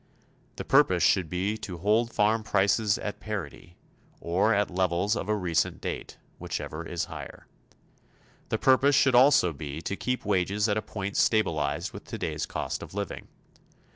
The purpose should be to hold farm prices at parity, or at levels of a recent date, whichever is higher. The purpose should also be to keep wages at a point stabilized with today's cost of living.